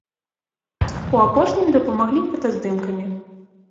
У апошнім дапамаглі фотаздымкамі.